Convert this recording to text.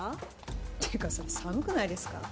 「っていうかそれ寒くないですか？」